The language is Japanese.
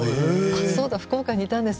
そうだ、福岡にいたんです。